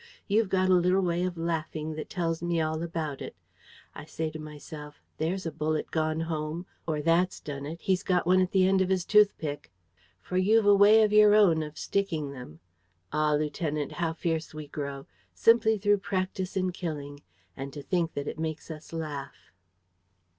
You've got a little way of laughing that tells me all about it. I say to myself, 'There's a bullet gone home,' or 'That's done it: he's got one at the end of his toothpick!' For you've a way of your own of sticking them. Ah, lieutenant, how fierce we grow! Simply through practise in killing! And to think that it makes us laugh!"